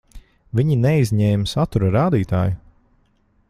Viņi neizņēma satura rādītāju.